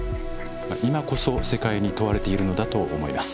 今こそ世界に問われているのだと思います。